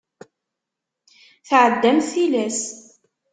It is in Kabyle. Tɛeddamt tilas.